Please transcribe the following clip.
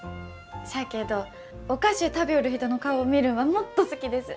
しゃあけどお菓子ゅう食びょうる人の顔を見るんはもっと好きです。